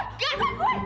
aduh ampun ampun